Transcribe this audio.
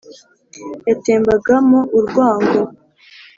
yatembaga mo urwango